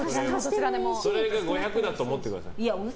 それが５００だと思ってください。